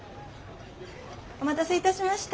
お待たせいたしました